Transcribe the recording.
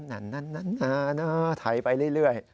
นานานานาไถไปเรื่อย